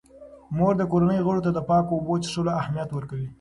مور د کورنۍ غړو ته د پاکو اوبو د څښلو اهمیت پوهه ورکوي.